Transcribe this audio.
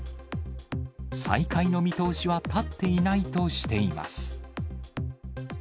再開の見通しは立っていないとしています。